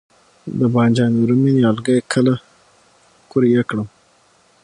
د بانجان رومي نیالګي کله قوریه کړم؟